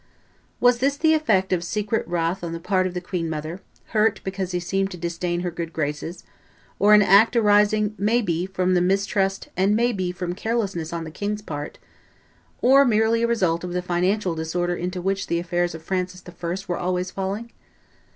Was this the effect of secret wrath on the part of the queen mother, hurt because he seemed to disdain her good graces, or an act arising may be from mistrust and may be from carelessness on the king's part, or merely a result of the financial disorder into which the affairs of Francis I. were always falling?